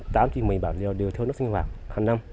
tám trên một mươi bản liều đều thiếu nước sinh hoạt hàng năm